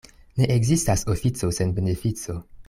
Ne ekzistas ofico sen benefico.